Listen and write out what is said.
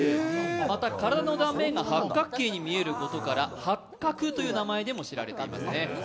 体の断面が八角形に見えることから八角という名前でも知られていますね。